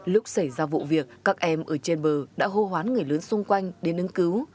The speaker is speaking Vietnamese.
lúc xảy ra vụ việc các em ở trên bờ đã hô hoán người lớn xung quanh đến ứng cứu